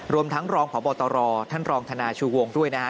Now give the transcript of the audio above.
รวมทั้งรองพบตรท่านรองธนาชูวงด้วยนะฮะ